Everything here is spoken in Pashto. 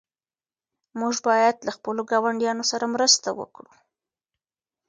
موږ باید له خپلو ګاونډیانو سره مرسته وکړو.